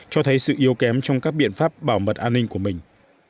cho thấy sự yếu kém trong các biện pháp bảo mật an ninh của mình